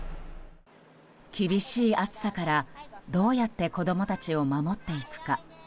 厳しい暑さからどうやって子供たちを守っていくか。